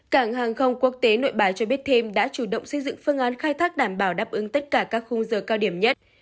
cảng hàng không quốc tế nội bài cho biết thêm đã chủ động xây dựng phương án khai thác đảm bảo đáp ứng tất cả các khung giờ cao điểm nhất